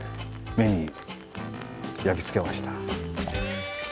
目に焼き付けました。